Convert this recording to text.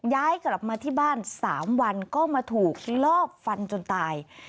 ย้ายกลับมาที่บ้าน๓วันก็มาถูกลอบฟันจนตาย